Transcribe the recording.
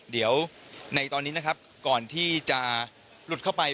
เดี๋ยวในตอนนี้นะครับก่อนที่จะหลุดเข้าไป